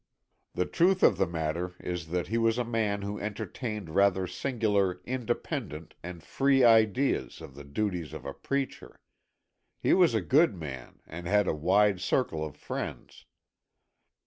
The truth of the matter is that he was a man who entertained rather singular, independent and free ideas of the duties of a preacher. He was a good man, and had a wide circle of friends.